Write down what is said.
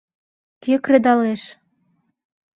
— Кӧ кредалеш?